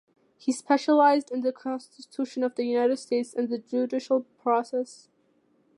He specialized in the Constitution of the United States and the judicial process.